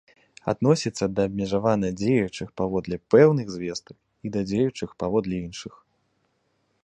Адносіцца да абмежавана дзеючых паводле пэўных звестак і да дзеючых паводле іншых.